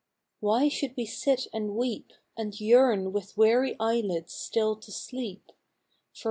Why should we sit and weep, And yearn with weary eyelids still to sleep?